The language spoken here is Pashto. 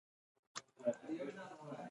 زمونږ سیمه ډیرې ښایسته منظرې لري.